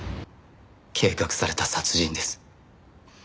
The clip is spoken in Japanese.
計画された殺人です。